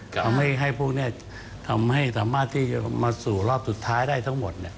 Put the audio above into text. ทำให้พวกนี้ทำมาสู่รอบสุดท้ายได้ทั้งหมด